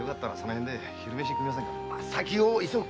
先を急ぐ。